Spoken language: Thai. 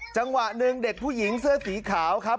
จังหวะหนึ่งเด็กผู้หญิงเสื้อสีขาวครับ